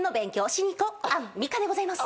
アンミカでございます。